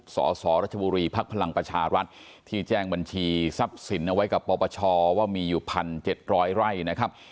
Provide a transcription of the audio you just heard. สสรัชบุรีภักดิ์พลังประชารัฐที่แจ้งบัญชีทรัพย์สินเอาไว้กับปปชว่ามีอยู่๑๗๐๐ไร่นะครับ